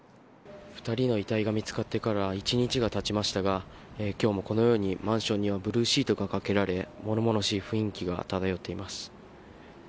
２人の遺体が見つかってから１日が経ちましたが今日もこのようにマンションにはブルーシートがかけられ物々しい雰囲気が漂っています。